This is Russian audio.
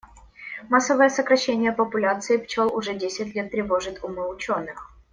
Массовое сокращение популяции пчёл уже десять лет тревожит умы учёных.